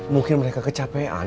mungkin mereka kecapean